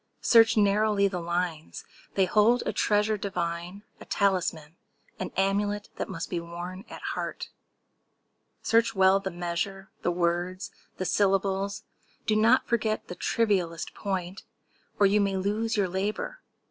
Search narrowly the lines!—they hold a treasure Divine—a talisman—an amulet That must be worn at heart. Search well the measure— The words—the syllables! Do not forget The trivialest point, or you may lose your labor!